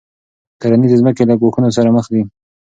کرنیزې ځمکې له ګواښونو سره مخ دي.